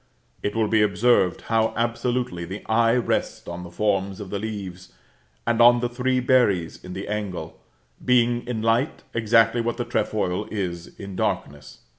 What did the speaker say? It will be observed how absolutely the eye rests on the forms of the leaves, and on the three berries in the angle, being in light exactly what the trefoil is in darkness.